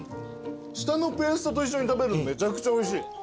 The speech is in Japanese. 下のペーストと一緒に食べるとめちゃくちゃおいしい。